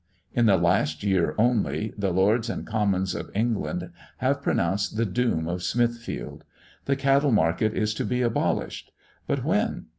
In the last year only, the Lords and Commons of England have pronounced the doom of Smithfield. The cattle market is to be abolished. But when?